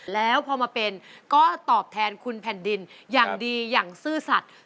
แล้วพอมาเป็นก็ตอบแทนคุณแผ่นดินอย่างดีอย่างซื่อสัตว์